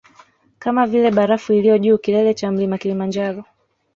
Kama vile barafu iliyo juu kilele cha mlima kilimanjaro